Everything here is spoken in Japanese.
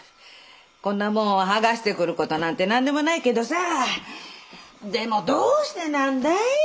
こんなもん剥がしてくる事なんて何でもないけどさでもどうしてなんだい？